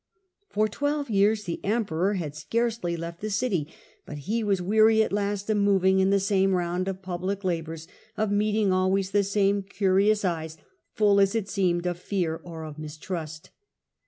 For twelve years the Emperor had scarcely left the city ; but he was weary at last of moving in the same round of public labours, of meeting always the same curious eyes, full as it seemed of fear or of mistrust.